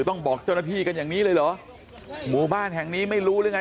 ต้องบอกเจ้าหน้าที่กันอย่างนี้เลยเหรอหมู่บ้านแห่งนี้ไม่รู้หรือไง